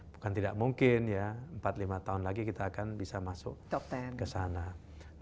bukan tidak mungkin ya empat lima tahun lagi kita akan bisa masuk ke sana